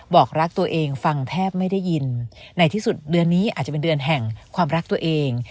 บอกรักตัวเองฟังแทบไม่ได้ยินในที่สุดเดือนนี้อาจจะเป็นเดือนแห่งความรักตัวเอง